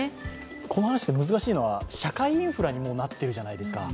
この話で難しいのは、社会インフラになっているじゃないですか。